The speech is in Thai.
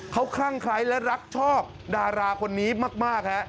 เขาคลั่งไคร้และรักชอบดาราคนนี้มากฮะ